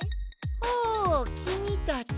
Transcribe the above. おきみたち。